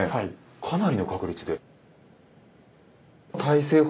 かなりの確率で。